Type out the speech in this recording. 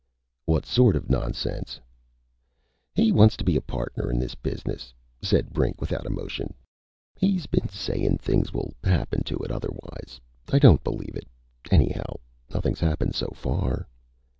"What sort of nonsense?" "He wants to be a partner in this business," said Brink without emotion. "He's been saying that things will happen to it otherwise. I don't believe it. Anyhow nothing's happened so far."